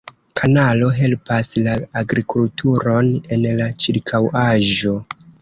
Kanalo helpas la agrikulturon en la ĉirkaŭaĵo.